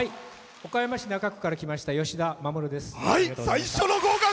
岡山市中区から来ましたよしだです。